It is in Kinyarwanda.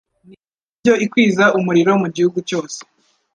n’imirabyo ikwiza umuriro mu gihugu cyose